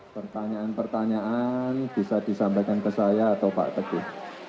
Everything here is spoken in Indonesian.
pertanyaan pertanyaan bisa disampaikan ke saya atau pak teguh